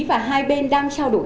và hai bên đang trao đổi